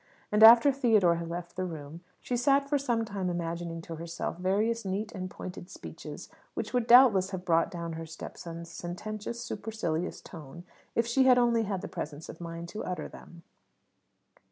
And after Theodore had left the room, she sat for some time imagining to herself various neat and pointed speeches which would doubtless have brought down her stepson's sententious, supercilious tone, if she had only had the presence of mind to utter them.